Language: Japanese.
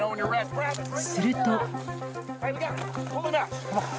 すると。